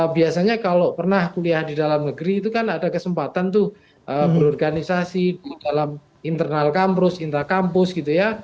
biasanya kalau pernah kuliah di dalam negeri itu kan ada kesempatan tuh berorganisasi di dalam internal kampus intra kampus gitu ya